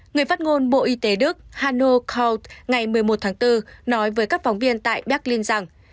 người phát ngôn bộ y tế đức hano kaut ngày một mươi một tháng bốn nói với các phóng viên tại berlin rằng